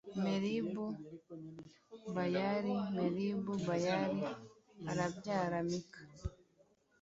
meribu bayali meribu bayali abyara mika